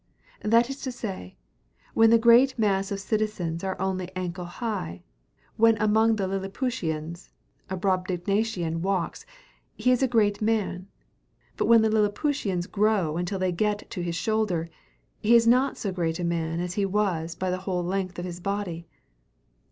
That is to say, when the great mass of citizens are only ankle high, when among the Lilliputians a Brobdingnagian walks, he is a great man. But when the Lilliputians grow until they get up to his shoulder, he is not so great a man as he was by the whole length of his body.